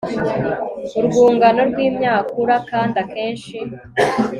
urwungano rwimyakura kandi akenshi